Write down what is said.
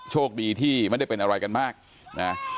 โชคดีที่ไม่ได้เป็นอะไรกันมากนะ